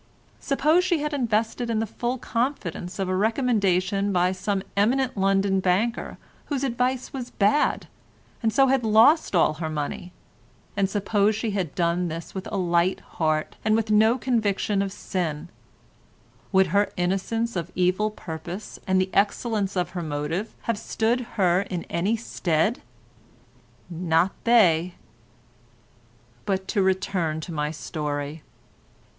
Suppose she had invested in the full confidence of a recommendation by some eminent London banker whose advice was bad, and so had lost all her money, and suppose she had done this with a light heart and with no conviction of sin—would her innocence of evil purpose and the excellence of her motive have stood her in any stead? Not they. But to return to my story.